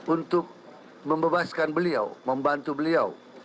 untuk membebaskan beliau membantu beliau